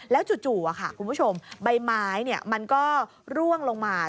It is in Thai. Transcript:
แล้วจู่คุณผู้ชมใบไม้มันก็ร่วงลงมา